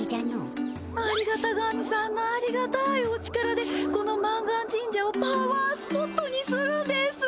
ありがた神さんのありがたいお力でこの満願神社をパワースポットにするんです！